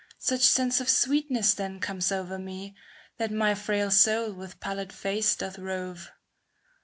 Such sense of sweetness then comes over me, That my frail soul with pallid face doth rove.